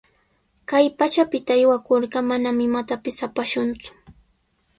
Kay pachapita aywakurqa, manami imatapis apakushunku.